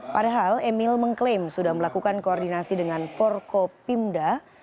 padahal emil mengklaim sudah melakukan koordinasi dengan forkopimda